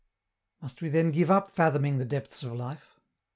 Must we then give up fathoming the depths of life?